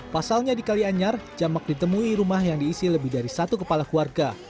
pasalnya di kalianyar jamak ditemui rumah yang diisi lebih dari satu kepala keluarga